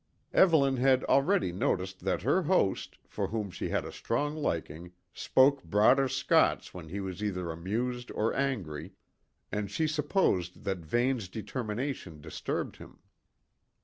Evelyn had already noticed that her host, for whom she had a strong liking, spoke broader Scots when he was either amused or angry, and she supposed that Vane's determination disturbed him.